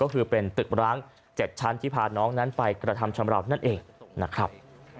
ก็คือเป็นตึกร้าง๗ชั้นที่พาน้องนั้นไปกระทำชำราวนั่นเองนะครับ